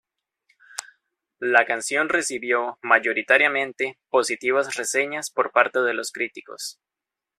La canción recibió mayoritariamente positivas reseñas por parte de los críticos.